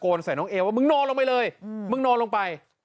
ใส่น้องเอว่ามึงนอนลงไปเลยมึงนอนลงไป